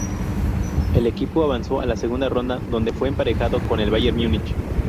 El equipo avanzó a la segunda ronda, donde fue emparejado con el Bayern Múnich.